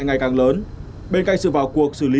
ngày càng lớn bên cạnh sự vào cuộc xử lý